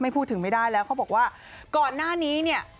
พูดถึงไม่ได้แล้วเขาบอกว่าก่อนหน้านี้เนี่ย